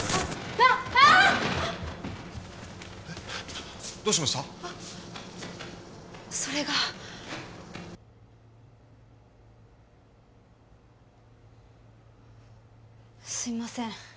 あっそれがすいません